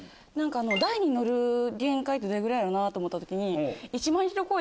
台に載る限界ってどれぐらいやろうと思った時に。